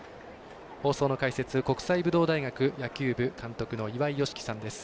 放送の解説、国際武道大学監督の岩井美樹さんです。